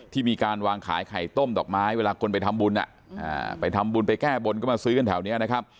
ที่มีการวางขายไข่ต้มดอกไม้เวลาคนไปทำบุญไปแก้บนก็มาซื้อกันแถวนี้